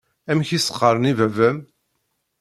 Amek i s-qqaṛen i baba-m?